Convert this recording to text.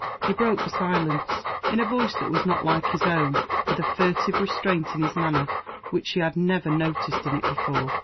He broke the silence in a voice that was not like his own; with a furtive restraint in his manner which she had never noticed in it before.